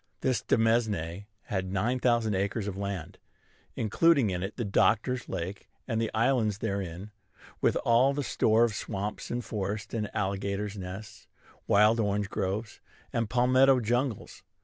This demesne had nine thousand acres of land, including in it the Doctor's Lake and the islands therein, with all the store of swamps and forests and alligators' nests, wild orange groves, and palmetto jungles.